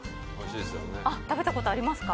食べたことありますか？